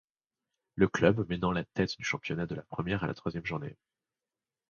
Le club menant la tête du championnat de la première à la troisième journée.